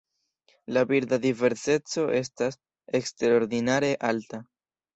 La birda diverseco estas eksterordinare alta.